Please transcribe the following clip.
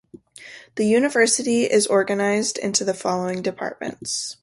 The university is organized into the following departments.